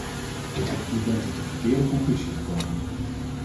U bent tot de verkeerde conclusie gekomen.